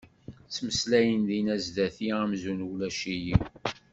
Ttmeslayen dinna sdat-i amzun ulac-iyi.